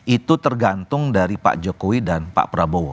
itu tergantung dari pak jokowi dan pak prabowo